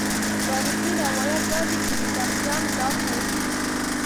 تاریخي روایات دادي چې د زمزم دا کوهی.